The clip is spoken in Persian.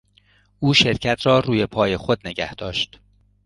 او شرکت را روی پای خود نگه داشت.